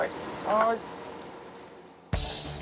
はい。